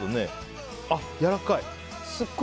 あ、やわらかい！